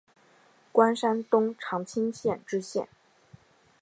官山东长清县知县。